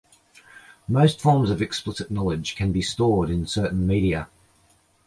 Most forms of explicit knowledge can be stored in certain media.